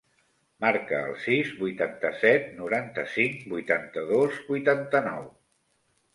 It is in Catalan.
Marca el sis, vuitanta-set, noranta-cinc, vuitanta-dos, vuitanta-nou.